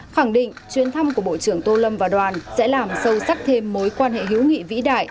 khẳng định chuyến thăm của bộ trưởng tô lâm và đoàn sẽ làm sâu sắc thêm mối quan hệ hữu nghị vĩ đại